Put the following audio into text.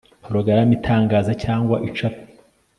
porogaramu itangaza cyangwa icapa